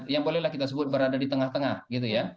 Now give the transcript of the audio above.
yang bolehlah kita sebut berada di tengah tengah gitu ya